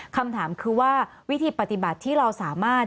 คำถามคือว่าวิธีปฏิบัติที่เราสามารถ